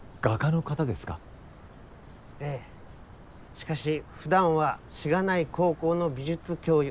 しかし普段はしがない高校の美術教諭。